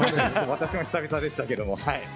私も久々でしたけど。